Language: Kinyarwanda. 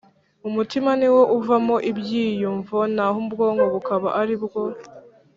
umutima ni wo uvamo ibyiyumvo naho ubwonko bukaba ari bwo